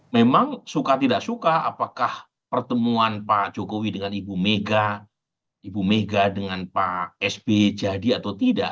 memang suka tidak suka apakah pertemuan pak jokowi dengan ibu mega ibu mega dengan pak sb jadi atau tidak